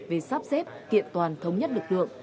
về sắp xếp kiện toàn thống nhất lực lượng